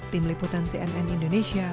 tim liputan cnn indonesia